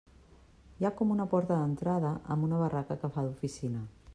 Hi ha com una porta d'entrada amb una barraca que fa d'oficina.